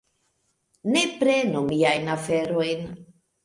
Ne prenu miajn aferojn!